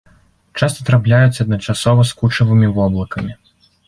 Часта трапляюцца адначасова з кучавымі воблакамі.